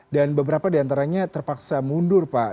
dan beberapa diantaranya terpaksa mundur pak